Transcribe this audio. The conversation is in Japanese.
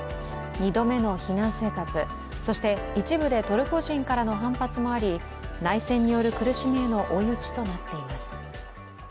２度目の避難生活、そして一部でトルコ人からの反発もあり、内戦による苦しみへの追い打ちとなっています。